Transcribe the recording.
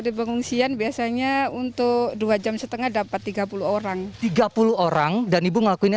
di pengungsian biasanya untuk dua jam setengah dapat tiga puluh orang tiga puluh orang dan ibu ngelakuinnya